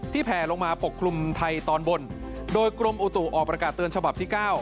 แผลลงมาปกคลุมไทยตอนบนโดยกรมอุตุออกประกาศเตือนฉบับที่๙